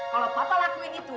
kalau kamu melakukan ini